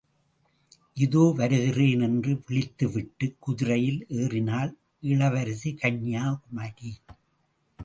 இதோ வருகிறேன்! என்று விளித்து விட்டுக் குதிரையில் ஏறினாள் இளவரசி கன்யாகுமரி.